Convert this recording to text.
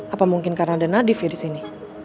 apa mungkin karena ada nadif ya disini